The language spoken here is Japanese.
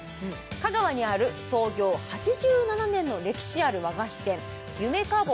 香川にある創業８７年の歴史ある和菓子店